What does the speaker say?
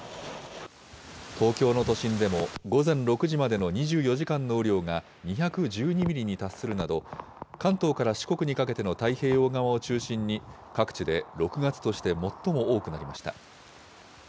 東京の都心でも、午前６時までの２４時間の雨量が２１２ミリに達するなど、関東から四国にかけての太平洋側を中心に、各地で６月として最も多くなりました。